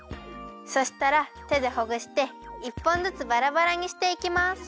そしたらてでほぐして１ぽんずつバラバラにしていきます。